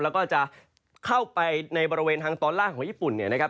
แล้วก็จะเข้าไปในบริเวณทางตอนล่างของญี่ปุ่นเนี่ยนะครับ